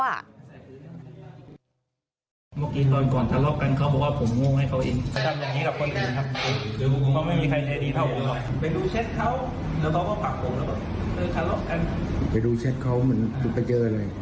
ไม่ได้เหมือนเขานั่งเล่นเช็ทผมบอกให้เขาตัวหาพ่อ